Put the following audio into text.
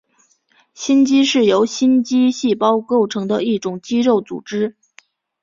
心肌是由心肌细胞构成的一种肌肉组织。